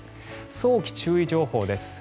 早期注意情報です。